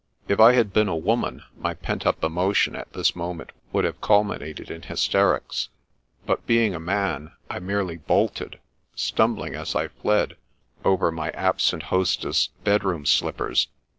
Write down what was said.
If I had been a woman, my pent up emotion at this moment would have culminated in hysterics, but being a man, I merely bolted, stumbling, as I fled, over my absent hostess' bedroom slippers.